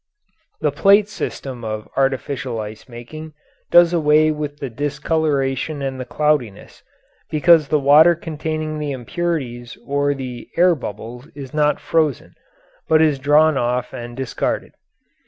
The plate system of artificial ice making does away with the discoloration and the cloudiness, because the water containing the impurities or the air bubbles is not frozen, but is drawn off and discarded.